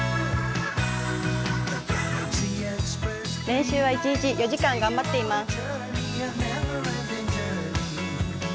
練習は一日４時間頑張っています。